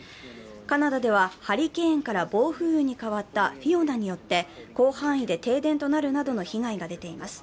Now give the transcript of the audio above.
カナダでは、ハリケーンから暴風雨に変わったフィオナによって広範囲で停電となるなどの被害が出ています。